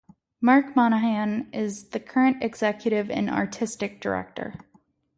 Mark Monahan is the current executive and artistic director.